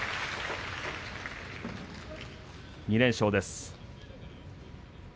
２連勝です。